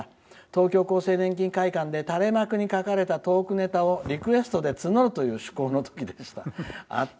東京厚生年金会館で垂れ幕に書かれたトークネタをリクエストで募るという趣向の時でした。